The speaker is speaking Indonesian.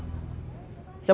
saya mau mandi lagi